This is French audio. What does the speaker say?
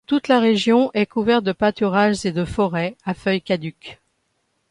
Toute la région est couverte de pâturages et de forêts à feuilles caduques.